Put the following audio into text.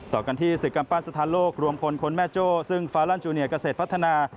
ต่อกันที่ศึกกำปั้นสถานโลกรวมพลคนแม่โจ้ซึ่งฟาลันจูเนียเกษตรพัฒนา